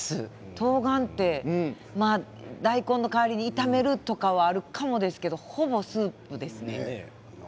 とうがんって大根の代わりに炒めるとかはあるかもですけどほぼスープですね。